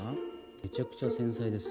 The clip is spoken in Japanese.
めちゃくちゃ繊細です。